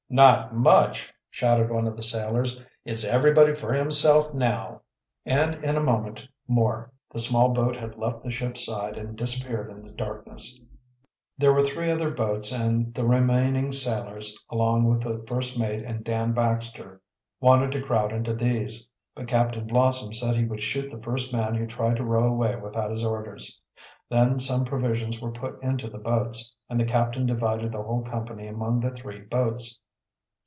"Not much!" shouted one of the sailors. "It's everybody for himself now!" And in a moment more the small boat had left the ship's side and disappeared in the darkness. There were three other boats and the remaining sailors, along with the first mate and Dan Baxter, wanted to crowd into these. But Captain Blossom said he would shoot the first man who tried to row away without his orders. Then some provisions were put into the boats, and the captain divided the whole company among the three boats.